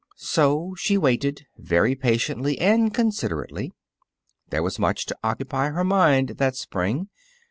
So she waited very patiently and considerately. There was much to occupy her mind that spring.